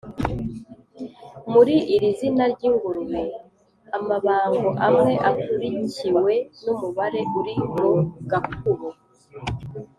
Muri iri Zina ry'Ingurube, amabango amwe akurikiwe n'umubare uri mu gakubo